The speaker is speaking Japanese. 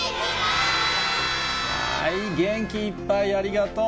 元気いっぱい、ありがとう。